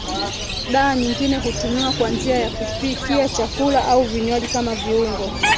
Dawa nyingine hutumiwa kwa njia ya kupikia chakula au vinywaji kama viungo